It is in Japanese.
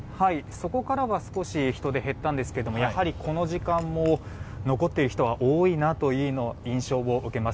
そこからは少し人出が減ったんですがやはりこの時間も残っている人は多いという印象を受けます。